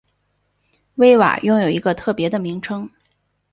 威瓦拥有一个特别的名称。